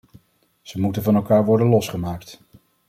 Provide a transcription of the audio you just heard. Ze moeten van elkaar worden losgemaakt.